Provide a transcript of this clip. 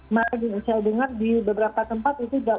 mereka yang saya dengar di beberapa tempat itu